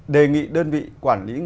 đề nghị đơn vị quản lý người lao động